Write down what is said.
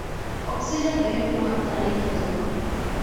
އޮކްސިޖަން ބެހެއްޓުމަށް ތަނެއް ހެދުމަށް